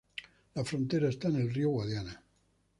La frontera está en el río Guadiana.